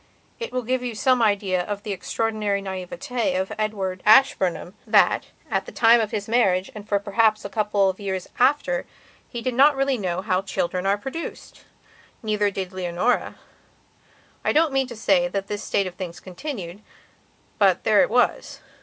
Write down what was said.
It will give you some idea of the extraordinary naïveté of Edward Ashburnham that, at the time of his marriage and for perhaps a couple of years after, he did not really know how children are produced. Neither did Leonora. I don't mean to say that this state of things continued, but there it was.